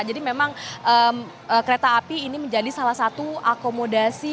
jadi memang kereta api ini menjadi salah satu akomodasi